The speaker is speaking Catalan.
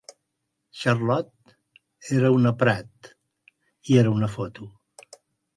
Charlotte... era una Pratt; i era una foto.